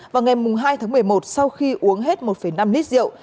vào ngày hai tháng một mươi một sau khi uống hết một năm lít rượu